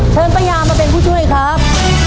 เชิญประยามาเป็นผู้ช่วยครับ